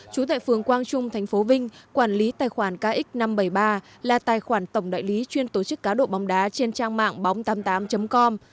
chú tại phường quang trung tp vinh quản lý tài khoản kx năm trăm bảy mươi ba là tài khoản tổng đại lý chuyên tổ chức cá độ bóng đá trên trang mạng bóng tám mươi tám com